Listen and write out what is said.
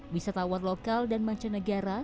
wisata awal lokal dan mancanegara